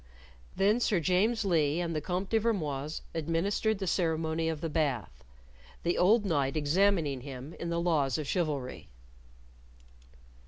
Then Sir James Lee and the Comte de Vermoise administered the ceremony of the Bath, the old knight examining him in the laws of chivalry.